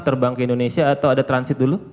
terbang ke indonesia atau ada transit dulu